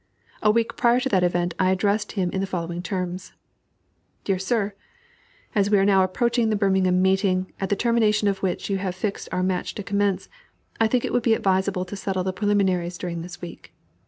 A week prior to that event I addressed him in the following terms: "DEAR SIR, As we are now approaching the Birmingham meeting, at the termination of which you have fixed our match to commence, I think it would be advisable to settle the preliminaries during this week.